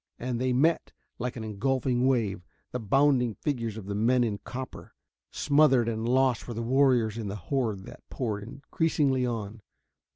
And they met, like an engulfing wave, the bounding figures of the men in copper. Smothered and lost were the warriors in the horde that poured increasingly on.